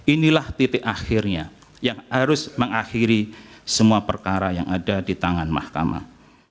inilah titik akhirnya yang harus mengakhiri semua perkara yang ada di tangan mahkamah